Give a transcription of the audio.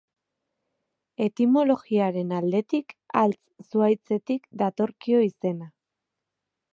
Etimologiaren aldetik, haltz zuhaitzetik datorkio izena.